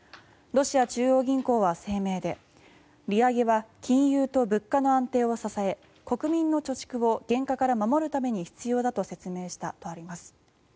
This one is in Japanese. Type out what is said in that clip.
ロシア中央銀行は声明で利上げは金融と物価の安定を支え国民の貯蓄を減価から守るために必要だと説明したとあります。